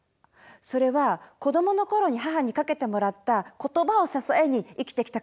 それは子どものころに母にかけてもらった「言葉」を支えに生きてきたからなんです。